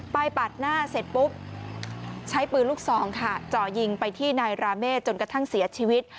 ปาดหน้าเสร็จปุ๊บใช้ปืนลูกซองค่ะจ่อยิงไปที่นายราเมฆจนกระทั่งเสียชีวิต